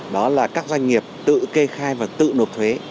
đó là các doanh nghiệp tự kê khai và tự nộp thuế